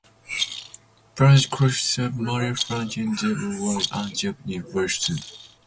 Parlet consisted of Mallia Franklin, Debbie Wright, and Jeanette Washington.